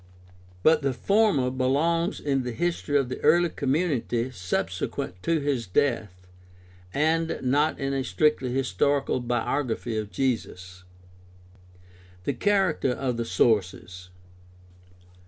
But the former belongs in the history of the early community subsequent to his death, and not in a strictly historical biography of Jesus. The character of the sources.